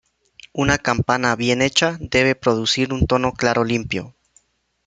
Una campana bien hecha debe producir un tono claro limpio.